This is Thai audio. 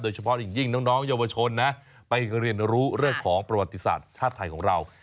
เฉพาะอย่างยิ่งน้องเยาวชนนะไปเรียนรู้เรื่องของประวัติศาสตร์ชาติไทยของเรา